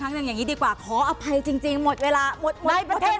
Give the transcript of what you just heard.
คุณไม่ได้ใช้ความเกียรติความชัง